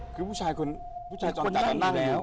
คือผู้ชายคนนั่งอยู่แล้ว